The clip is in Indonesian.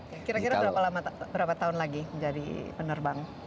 kira kira berapa lama berapa tahun lagi menjadi penerbang